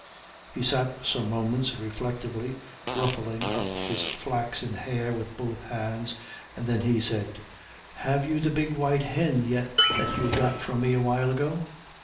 He sat for some moments reflectively ruffling up his flaxen hair with both hands, and then he said, "Have you the big white hin yit that you got from me a while ago?"